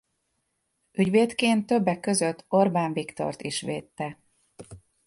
Ügyvédként többek között Orbán Viktort is védte.